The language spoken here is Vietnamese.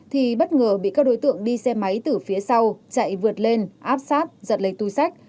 thì bất ngờ bị các đối tượng đi xe máy từ phía sau chạy vượt lên áp sát giật lấy túi sách